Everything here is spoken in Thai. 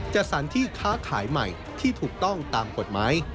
จัดสรรที่ค้าขายใหม่ที่ถูกต้องตามกฎหมาย